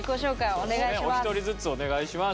お一人ずつお願いします。